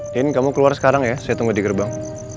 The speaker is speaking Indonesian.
den kamu keluar sekarang ya saya tunggu di gerbang